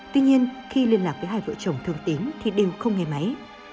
tuy nhiên khi liên lạc với hai vợ chồng thường tín thì đều không nghe máy